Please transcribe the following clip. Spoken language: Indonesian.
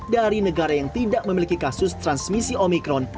dari negara yang tidak memiliki kasus transmisi omikron